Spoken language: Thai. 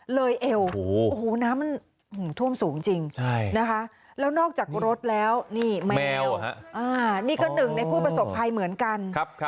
เอวโอ้โหน้ำมันท่วมสูงจริงนะคะแล้วนอกจากรถแล้วนี่แมวนี่ก็หนึ่งในผู้ประสบภัยเหมือนกัน